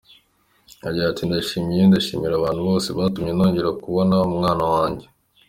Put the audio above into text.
Agira ati “ Ndishimye cyane! Ndashimira abantu bose batumye nongera kubona umwana wanjye.